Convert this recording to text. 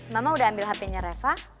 mama udah ambil hatinya reva